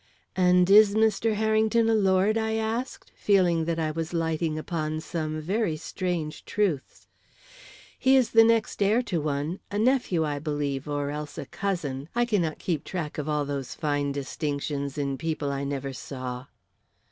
"And is Mr. Harrington a lord?" I asked, feeling that I was lighting upon some very strange truths. "He is the next heir to one. A nephew I believe, or else a cousin. I cannot keep track of all those fine distinctions in people I never saw."